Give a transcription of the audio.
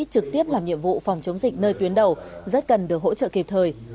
trực tiếp làm nhiệm vụ phòng chống dịch nơi tuyến đầu rất cần được hỗ trợ kịp thời